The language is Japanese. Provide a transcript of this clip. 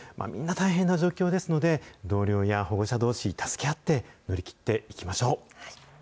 みんな大変な状況ですので、同僚や保護者どうし、助け合って、乗り切っていきましょう。